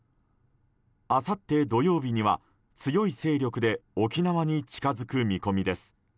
あさって土曜日には、強い勢力で沖縄に近づく見込みです。